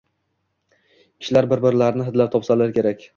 Kishilar bir-birlarini hidlab topsalar kerak.